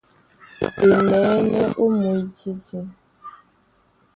E maɛ̌nɛ́ ó mwǐtítí.